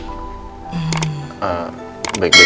baik baik aja semuanya kan